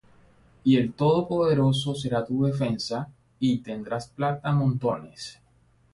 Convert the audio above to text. Y el Todopoderoso será tu defensa, Y tendrás plata á montones.